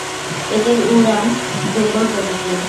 এদের উড়ান দূর্বল প্রকৃতির।